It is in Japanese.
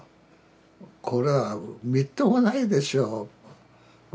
これはみっともないでしょう。